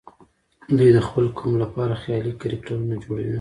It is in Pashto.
دوی د خپل قوم لپاره خيالي کرکټرونه جوړوي.